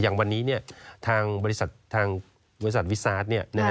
อย่างวันนี้ทางบริษัทวิทยาศาสตร์